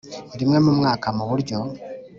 rimwe mu mwaka mu buryo